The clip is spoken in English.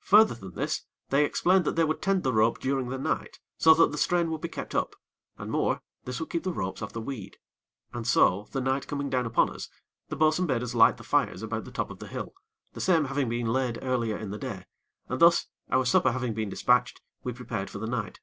Further than this, they explained that they would tend the rope during the night, so that the strain would be kept up, and, more, this would keep the ropes off the weed. And so, the night coming down upon us, the bo'sun bade us light the fires about the top of the hill, the same having been laid earlier in the day, and thus, our supper having been dispatched, we prepared for the night.